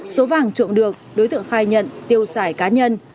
số vàng trộm được đối tượng khai nhận tiêu xài cá nhân